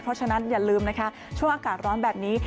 เพราะฉะนั้นอย่าลืมนะคะช่วงอากาศร้อนแบบนี้